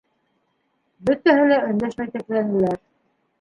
Бөтәһе лә өндәшмәй текләнеләр.